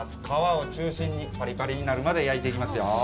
皮を中心に、パリパリになるまで焼いていきますよ。